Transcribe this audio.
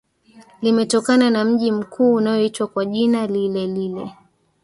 limetokana na mji mkuu unaoitwa kwa jina lilelile